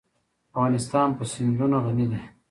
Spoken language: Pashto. افغانستان په سیندونه غني دی.